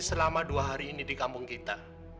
selama dua hari ini di kampung kita